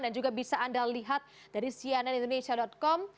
dan juga bisa anda lihat dari sianindonesia com